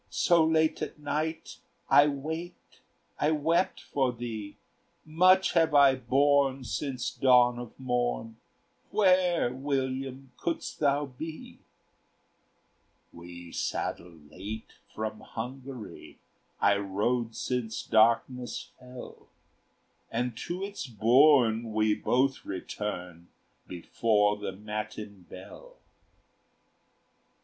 so late at night! I waked, I wept for thee. Much have I borne since dawn of morn; Where, William, couldst thou be?" "We saddle late from Hungary I rode since darkness fell; And to its bourne we both return Before the matin bell."